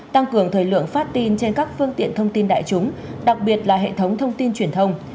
tăng cường thời lượng phát tin trên các phương tiện thông tin đại chúng đặc biệt là hệ thống thông tin truyền thông